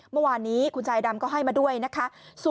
เมื่อวานนี้คุณชายดำก็ให้มาด้วยนะคะ